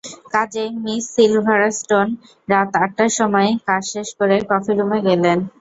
কাজেই miss Silverstone রাত আটটার সময় কাজ শেষ করে কফিরুমে গেলেন।